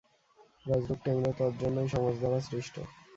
রাজরূপ কেন্দ্র তজ্জন্যই সমাজ দ্বারা সৃষ্ট।